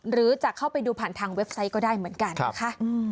หรือจะเข้าไปดูผ่านทางเว็บไซต์ก็ได้เหมือนกันนะคะ